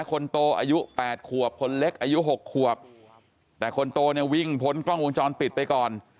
คนโตอายุ๘ขวบคนเล็กอายุ๖ขวบแต่คนโตเนี่ยวิ่งพ้นกล้องวงจรปิดไปก่อน